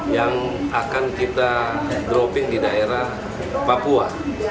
yang akan kita dropping di daerah papua